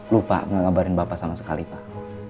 lupa ngegabarin bapak sama sekali pak